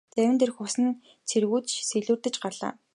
Завин дээрх усан цэргүүд ч сэлүүрдэж гарлаа.